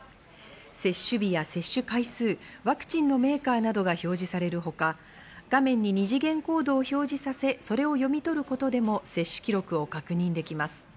接種日や接種回数、ワクチンのメーカーなどが表示されるほか、画面に二次元コードを表示させ、それを読み取ることでも接種記録を確認できます。